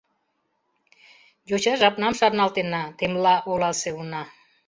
Йоча жапнам шарналтена, — темла оласе уна.